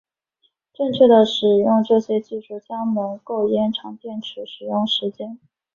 正确的使用这些技术将能够延长电池使用时间。